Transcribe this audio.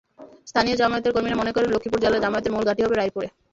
স্থানীয় জামায়াতের কর্মীরা মনে করেন, লক্ষ্মীপুর জেলায় জামায়াতের মূল ঘাঁটি হবে রায়পুরে।